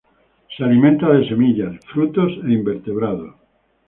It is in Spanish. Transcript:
Se alimenta de semillas, frutos, e invertebrados.